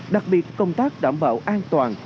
đặc biệt công tác đảm bảo an toàn